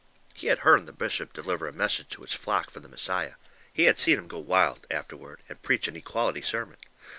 He had hearn the bishop deliver a message to his flock from the Messiah. He had seen him go wild, afterward, and preach an equality sermon.